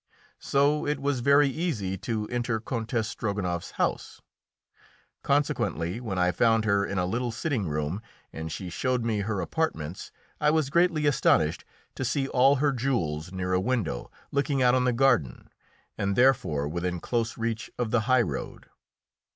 So it was very easy to enter Countess Strogonoff's house. Consequently, when I found her in a little sitting room, and she showed me her apartments, I was greatly astonished to see all her jewels near a window looking out on the garden and therefore within close reach of the high road.